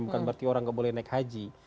bukan berarti orang nggak boleh naik haji